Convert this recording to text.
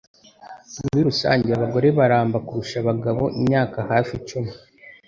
Muri rusange abagore baramba kurusha abagabo imyaka hafi icumi